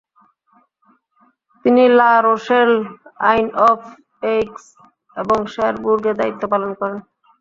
তিনি La Rochelle, Isle of Aix এবং শেরবুর্গে দায়িত্ব পালন করেন।